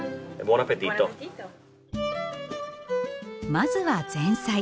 まずは前菜。